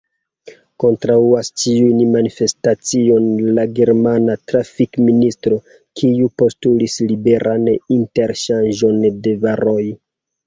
Kontraŭas ĉiujn manifestaciojn la germana trafikministro, kiu postulis liberan interŝanĝon de varoj.